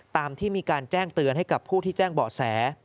ตามที่มีการแจ้งเตือนให้กับผู้ที่แจ้งเบาะแส